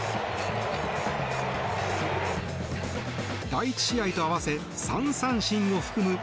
第１試合と合わせ３三振を含む